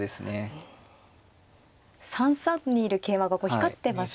３三にいる桂馬が光ってますね。